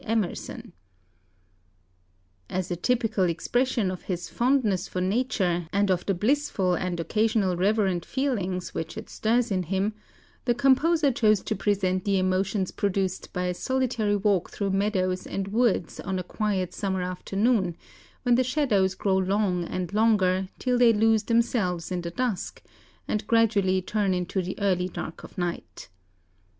Emerson): "As a typical expression of his fondness for nature and of the blissful and occasional reverent feelings which it stirs in him, the composer chose to present the emotions produced by a solitary walk through meadows and woods on a quiet summer afternoon, when the shadows grow long and longer, till they lose themselves in the dusk, and gradually turn into the early dark of night.